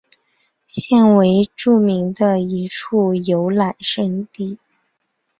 现为著名的一处游览胜地。